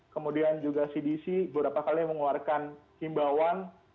kemudian juga cdc beberapa kali mengeluarkan himbauan